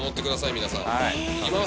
皆さんいきます